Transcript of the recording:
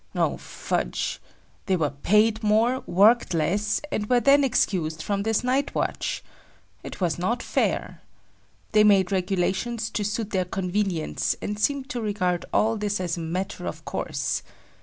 Oh, fudge! They were paid more, worked less, and were then excused from this night watch. It was not fair. They made regulations to suit their convenience and seemed to regard all this as a matter of course.